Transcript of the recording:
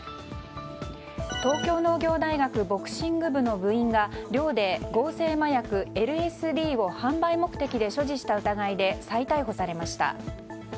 東京農業大学ボクシング部の部員が寮で合成麻薬ＬＳＤを販売目的で所持した疑いで再逮捕されました。